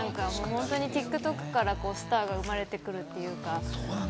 ＴｉｋＴｏｋからスターが生まれてくるというか。